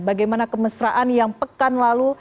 bagaimana kemesraan yang pekan lalu